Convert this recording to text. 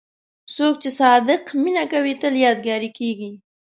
څوک چې صادق مینه کوي، تل یادګاري کېږي.